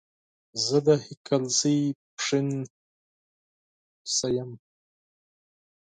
زه د هيکلزئ ، پښين سخه يم